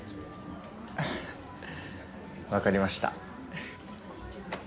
アハ分かりました。